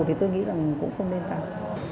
thì tôi nghĩ rằng cũng không nên tăng